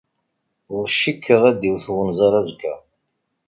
Ur cikkeɣ ad d-iwet wenẓar azekka.